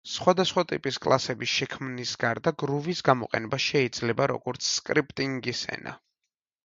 სხვადასხვა ტიპის კლასების შექმნის გარდა, გრუვის გამოყენება შეიძლება როგორც სკრიპტინგის ენა.